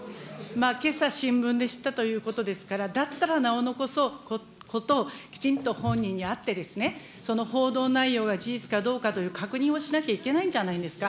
けさ新聞で知ったということですから、だったらなおのこと、きちんと本人に会ってですね、その報道内容が事実かどうかという確認をしなきゃいけないんじゃないんですか。